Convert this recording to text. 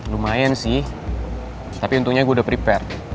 lumayan sih tapi untungnya gue udah prepared